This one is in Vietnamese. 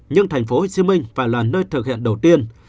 nhưng tp hcm phải là nơi thực hiện đầu tiên